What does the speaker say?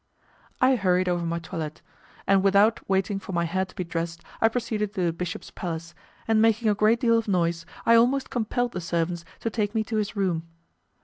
I hurried over my toilet, and without waiting for my hair to be dressed I proceeded to the bishop's palace, and making a great deal of noise I almost compelled the servants to take me to his room.